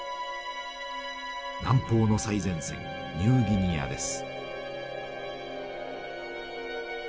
南方の最前線ニューギニアです。